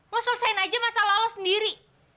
lo selesain aja masalah lo sendiri